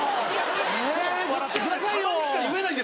えぇ笑ってくださいよ。